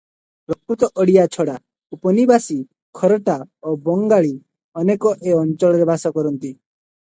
ପ୍ରକୃତ ଓଡ଼ିୟା ଛଡ଼ା ଉପନିବାସୀ ଖୋରଟା ଓ ବଙ୍ଗାଳୀ ଅନେକ ଏ ଅଞ୍ଚଳରେ ବାସ କରନ୍ତି ।